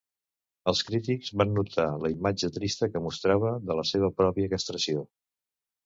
Els crítics van notar la imatge trista que mostrava de la seva pròpia castració.